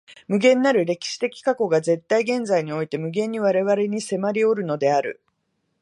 無限なる歴史的過去が絶対現在において無限に我々に迫りおるのである。